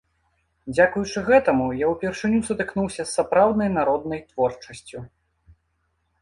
Дзякуючы гэтаму я ўпершыню сутыкнуўся з сапраўднай народнай творчасцю.